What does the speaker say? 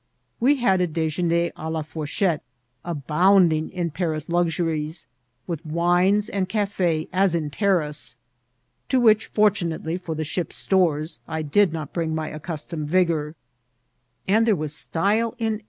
We had a dejeuner k la fourchettCi abounding in Paris luxuries, with wines and cafe, as in Paris, to which, fortunately for the ship's stores, I did not bring my accustomed vigour ; and there was style in 816 mCIDIllTS OP TRATIL.